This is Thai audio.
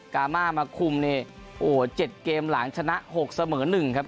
กามามาคุมเนโอ้เจ็ดเกมหลังชนะหกเสมอหนึ่งครับ